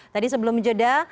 tadi sebelum jeda